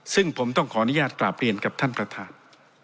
ซึ่งผมต้องขออนุญาตกราบเรียนกับท่านประธาน